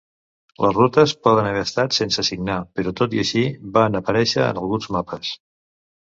Les rutes poden haver estat sense signar, però tot i així van aparèixer en alguns mapes.